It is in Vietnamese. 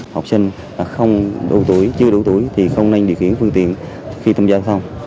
học sinh không đủ tuổi chưa đủ tuổi thì không nên điều khiển phương tiện khi tham gia giao thông